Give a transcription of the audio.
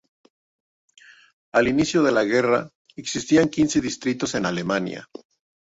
Al inicio de la guerra, existían quince Distritos en Alemania.